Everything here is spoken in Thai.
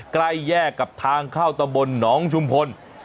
ใกล้แยกกับทางเข้าตำบลหนองชุมพล